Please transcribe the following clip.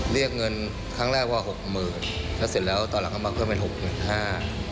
เรียกเงินครั้งแรกว่าหกหมื่นแล้วเสร็จแล้วตอนหลังก็มาเพิ่มเป็นหกหมื่นห้า